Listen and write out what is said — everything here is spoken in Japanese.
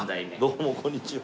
どうもこんにちは。